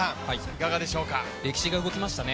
歴史が動きましたね。